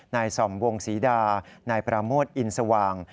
นายส่อมวงศีรดานายประโมทอินทร์สว่าง